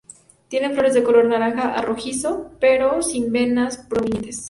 Tiene flores de color naranja a rojizo, pero sin venas prominentes.